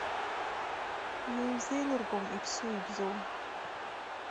Иузеилыргом иԥсу-ибзоу.